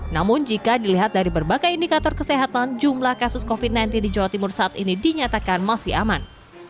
namun jika dilihat dari berbagai indikator kesehatan jumlah kasus covid sembilan belas di jawa timur saat ini dinyatakan masih aman